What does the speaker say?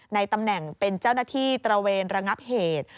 ในตำแหน่งเป็นเจ้าหน้าที่ตระเวนระงับเหตุ